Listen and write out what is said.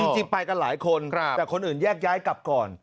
จริงไปกันหลายคนแต่คนอื่นแยกย้ายกลับก่อน